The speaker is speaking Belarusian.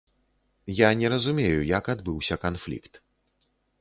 Я не разумею, як адбыўся канфлікт.